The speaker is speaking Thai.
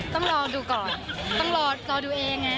ต้องรอดูก่อนต้องรอดูเองไง